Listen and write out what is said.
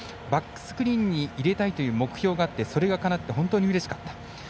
バックスクリーンに入れたいという目標があってそれがかなって本当にうれしかった。